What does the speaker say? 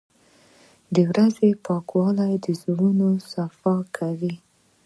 • د ورځې پاکوالی د زړونو صفا کوي.